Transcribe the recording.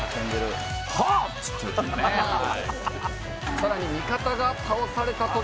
「さらに味方が倒された時も」